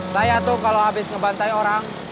saya tuh kalau habis ngebantai orang